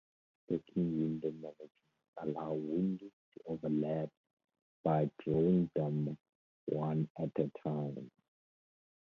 Stacking window managers allow windows to overlap by drawing them one at a time.